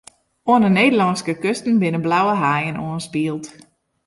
Oan 'e Nederlânske kusten binne blauwe haaien oanspield.